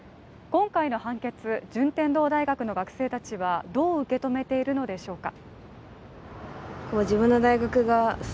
今回の判決、順天堂大学の学生たちはどう受け止めているのでしょうか？